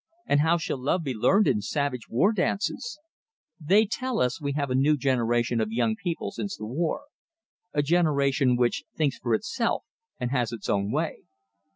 And how shall love be learned in savage war dances?" They tell us that we have a new generation of young people since the war; a generation which thinks for itself, and has its own way.